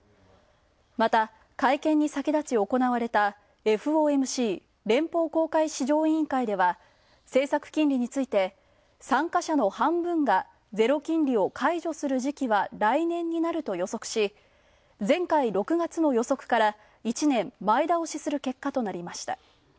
また、会見に先立ち行われたＦＯＭＣ＝連邦公開市場委員会では政策金利について、参加者の半分がゼロ金利を解除する時期は、来年になると予測し、前回６月の予測から１年前倒しする結果となりました。